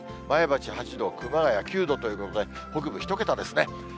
前橋８度、熊谷９度ということで、北部１桁ですね。